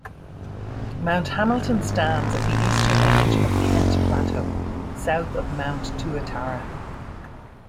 Mount Hamilton stands at the eastern edge of Kent Plateau, south of Mount Tuatara.